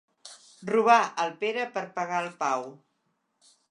Robar al Pere per pagar al Pau.